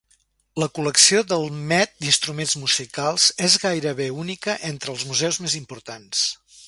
La col·lecció del Met d'instruments musicals és gairebé única entre els museus més importants.